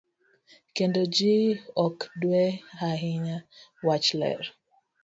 Kendo ji ok dew ahinya wach ler.